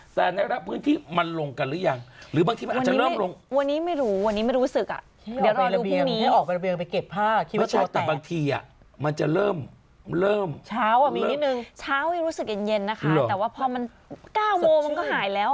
แต่พอเมื่อ๙โมมมันก็หายแล้ว